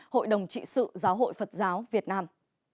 hội đồng trị sự giáo hội phật giáo việt nam